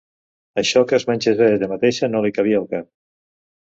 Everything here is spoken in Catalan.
Això que es mengés a ella mateixa no li cabia al cap.